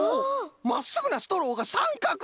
まっすぐなストローがさんかくに！